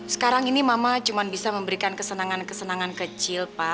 sekarang ini mama cuma bisa memberikan kesenangan kesenangan kecil pak